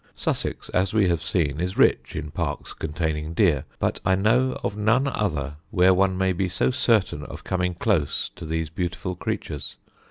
Sussex, as we have seen, is rich in parks containing deer, but I know of none other where one may be so certain of coming close to these beautiful creatures.